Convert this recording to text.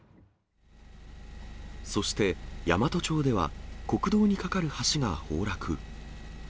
そして、山都町では国道に架かる橋が崩落。